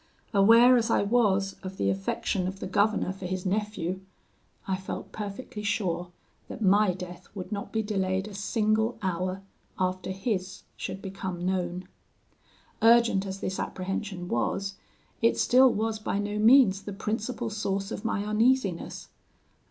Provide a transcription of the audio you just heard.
Aware, as I was, of the affection of the governor for his nephew, I felt perfectly sure that my death would not be delayed a single hour after his should become known. 'Urgent as this apprehension was, it still was by no means the principal source of my uneasiness.